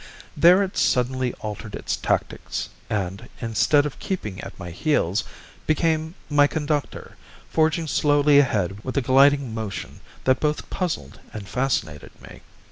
There it suddenly altered its tactics, and instead of keeping at my heels, became my conductor, forging slowly ahead with a gliding motion that both puzzled and fascinated me.